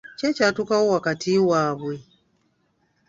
Ki ekyatuukawo wakati waabwe?